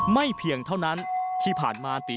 ไม่เพียงเท่านั้นที่ผ่านมาตีไก่